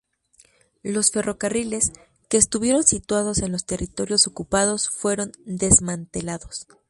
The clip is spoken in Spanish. Los ferrocarriles, que estuvieron situados en los territorios ocupados fueron desmantelados.